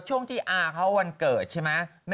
ช่วงที่อาเขาวันเกิดใช่ไหม